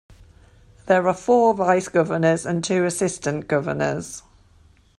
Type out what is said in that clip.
There are four vice governors and two assistant governors.